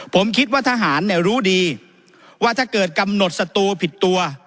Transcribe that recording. ผมคิดว่าทหารเนี่ยรู้ดีว่าถ้าเกิดกำหนดสตูผิดตัว